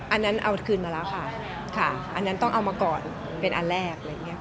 อันนั้นเอาคืนมาแล้วค่ะอันนั้นต้องเอามาก่อนเป็นอันแรก